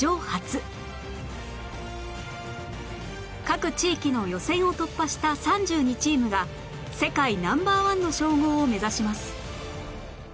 各地域の予選を突破した３２チームが世界ナンバーワンの称号を目指します